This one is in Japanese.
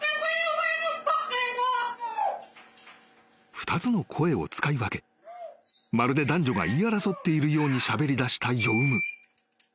［２つの声を使い分けまるで男女が言い争っているようにしゃべりだしたヨウム］